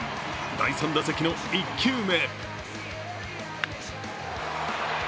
第３打席の１球目。